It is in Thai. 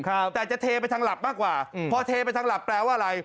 ครับแต่จะเทไปทางหลับมากกว่าอืมพอเทไปทางหลับแปลว่าอะไร